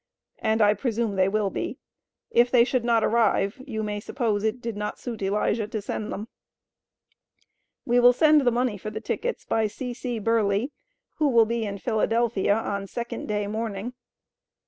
And I presume they will be. If they should not arrive you may suppose it did not suit Elijah to send them. We will send the money for the tickets by C.C. Burleigh, who will be in Phila. on second day morning.